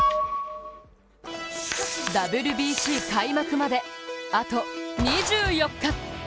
ＷＢＣ開幕まで、あと２４日。